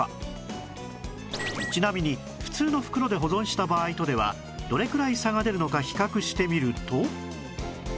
ちなみに普通の袋で保存した場合とではどれくらい差が出るのか比較してみると